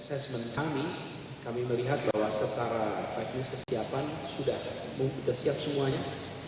asesmen kami kami melihat bahwa secara teknis kesiapan sudah siap semuanya